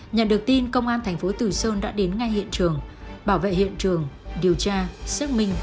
nhận được tin công an thành phố tử sơn đã đến ngay hiện trường bảo vệ hiện trường điều tra xác minh